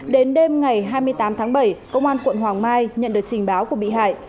đến đêm ngày hai mươi tám tháng bảy công an quận hoàng mai nhận được trình báo của bị hại